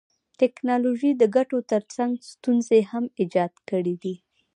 ټکنالوژي د ګټو تر څنګ ستونزي هم ایجاد کړيدي.